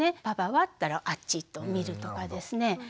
「パパは？」って言ったらあっちと見るとかですね。